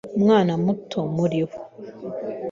Umwana muto muri bo